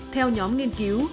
theo nhóm nghiên cứu